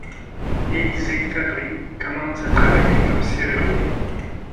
Élysée Fabry commence à travailler comme serrurier.